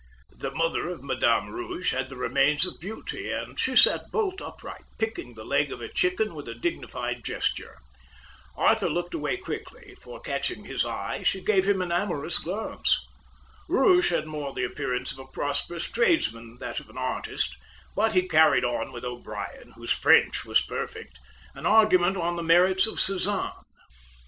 The mother of Madame Rouge had the remains of beauty, and she sat bolt upright, picking the leg of a chicken with a dignified gesture. Arthur looked away quickly, for, catching his eye, she gave him an amorous glance. Rouge had more the appearance of a prosperous tradesman than of an artist; but he carried on with O'Brien, whose French was perfect, an argument on the merits of Cézanne.